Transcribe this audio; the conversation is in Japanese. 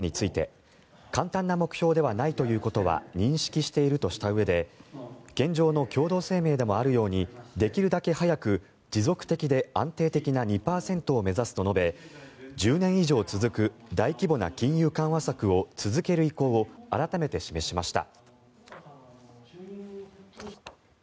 昨日２人の新たな副総裁と会見に臨んだ植田氏は物価上昇率について簡単な目標ではないということは認識しているとしたうえで現状の共同声明でもあるようにできるだけ早く持続的で安定的な２％を目指すと述べ１０年以上続く大規模な金融緩和策を続ける意向を改めて示しました。